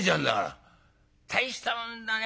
大したもんだね